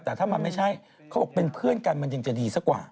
แต่ถ้ามันไม่ใช่เขาบอกเป็นเพื่อนกันมันยังจะดีซะกว่า